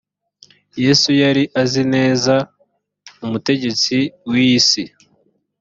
yesu yari azi neza umutegetsi w iyi si .